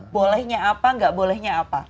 bolehnya apa nggak bolehnya apa